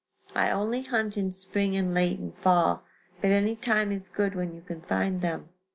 I only hunt in spring and late in fall, but any time is good when you can find them.